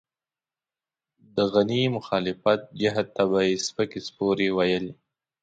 د غني مخالف جهت ته به يې سپکې سپورې ويلې.